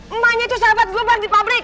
emaknya itu sahabat gue baru di pabrik